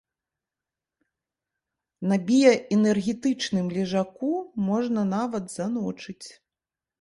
На біяэнергетычным лежаку можна нават заночыць.